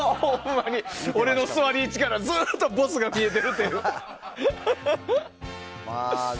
俺の座り位置からずっとＢＯＳＳが見えてるという。